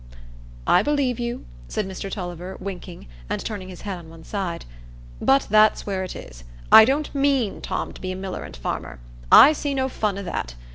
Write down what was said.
"I believe you," said Mr Tulliver, winking, and turning his head on one side; "but that's where it is. I don't mean Tom to be a miller and farmer. I see no fun i' that.